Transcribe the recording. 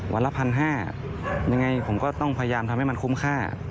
ละ๑๕๐๐ยังไงผมก็ต้องพยายามทำให้มันคุ้มค่า